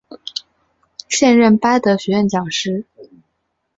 现任巴德学院讲师。